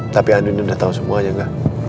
tapi andin udah tahu semuanya enggak